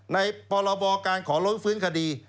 ๑ในปรบการขอลื้อฟื้นคดี